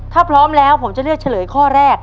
ถ้าพร้อมแล้วผมจะเลือกเฉลยข้อแรก